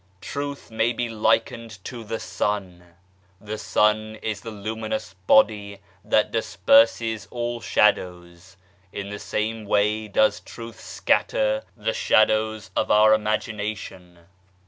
Truth may be likened to the Sun ! The Sun is the luminous body that disperses all shadows ; in the same way does Truth scatter the shadows of our 117 n8 THEOSOPHICAL SOCIETY imagination.